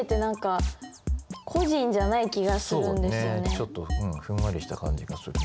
ちょっとふんわりした感じがするね。